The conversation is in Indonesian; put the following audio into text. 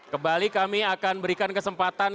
kembali kami akan berikan kesempatan